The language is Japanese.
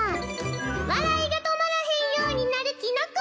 笑いが止まらへんようになるキノコ！